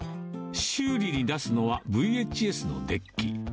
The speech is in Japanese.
修理に出すのはＶＨＳのデッキ。